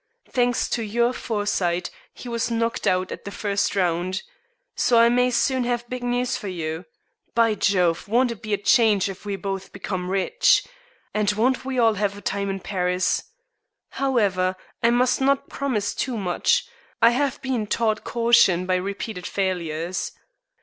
Thanks to your foresight, he was knocked out at the first round. So I may soon have big news for you. By Jove, won't it be a change if we both become rich! And won't we all have a time in Paris! However, I must not promise too much. I have been taught caution by repeated failures.